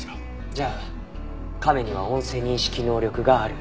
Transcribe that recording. じゃあ亀には音声認識能力がある。